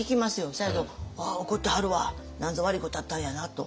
せやけどああ怒ってはるわ何ぞ悪いことあったんやなと。